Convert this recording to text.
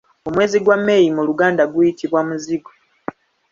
Omwezi gwa May mu luganda guyitibwa Muzigo.